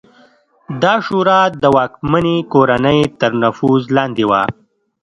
دا شورا د واکمنې کورنۍ تر نفوذ لاندې وه